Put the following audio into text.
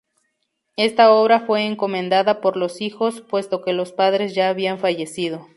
Esta obra fue encomendada por los hijos, puesto que los padres ya habían fallecido.